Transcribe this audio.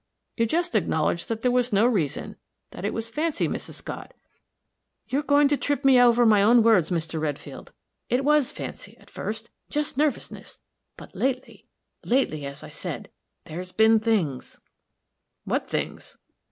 "You just acknowledged that there was no reason that it was fancy, Mrs. Scott." "You're goin' to trip me over my own words, Mr. Redfield. It was fancy, at first, just nervousness; but lately lately, as I said, there's been things " "What things?"